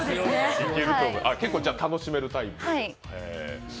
結構楽しめるタイプ。